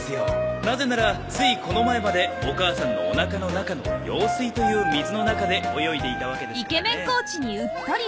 なぜならついこの前までお母さんのおなかの中の羊水という水の中で泳いでいたわけですからね。